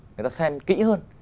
người ta xem kỹ hơn